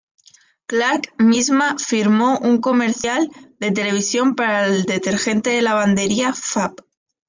Clark misma filmó un comercial de televisión para el detergente de lavandería Fab.